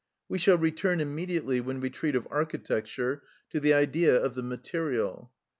We shall return immediately, when we treat of architecture, to the Idea of the material.